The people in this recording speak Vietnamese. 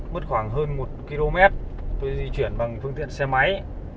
mất khoảng hơn một km tôi di chuyển bằng phương tiện xe máy